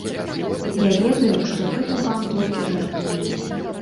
Я ведаю, што гэта пан толькі жартуе.